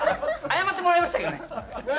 謝ってもらいましたけどね。